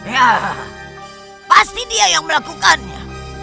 ya pasti dia yang melakukannya